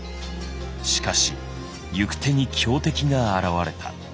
しかし行く手に強敵が現れた。